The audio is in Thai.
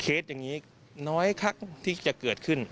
อย่างนี้น้อยคักที่จะเกิดขึ้น